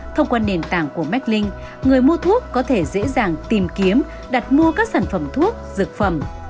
thông qua nền tảng của meklinh người mua thuốc có thể dễ dàng tìm kiếm đặt mua các sản phẩm thuốc dược phẩm